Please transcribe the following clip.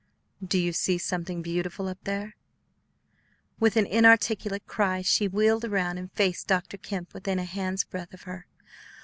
"Do you see something beautiful up there?" With an inarticulate cry she wheeled around and faced Dr. Kemp within a hand's breadth of her.